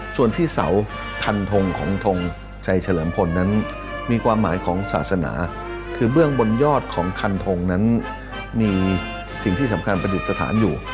ส่วนที่เสาคันทงของทงชัยเฉลิมพลนั้นมีความหมายของศาสนาคือเบื้องบนยอดของคันทงนั้นมีสิ่งที่สำคัญประดิษฐานอยู่